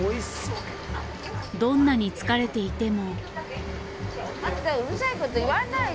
どんなに疲れていても。